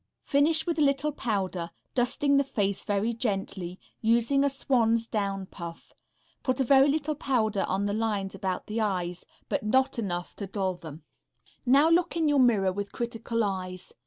_ Finish with a little powder, dusting the face very gently, using a swan's down puff. Put a very little powder on the lines about the eyes, but not enough to dull them. Now look in your mirror with critical eyes.